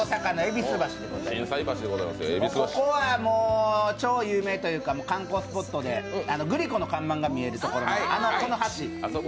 ここはもう、超有名というか観光スポットでグリコの看板が見えるところのあそこの橋。